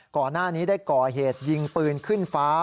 ก่อนหน้านี้ได้ก่อเหตุยิงปืนขึ้นฟ้า